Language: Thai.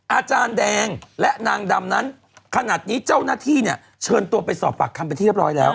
อาจารย์แดงและนางดำนั้นขนาดนี้เจ้าหน้าที่เนี่ยเชิญตัวไปสอบปากคำเป็นที่เรียบร้อยแล้ว